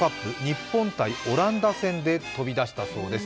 日本×オランダ戦で飛び出したそうです。